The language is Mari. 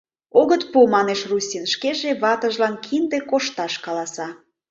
Огыт пу, — манеш Руссин, шкеже ватыжлан кинде кошташ каласа.